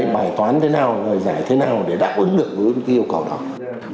bài toán thế nào giải thế nào để đảm ứng được với cái yêu cầu đó